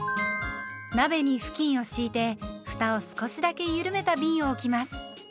鍋に布巾を敷いてふたを少しだけゆるめたびんを置きます。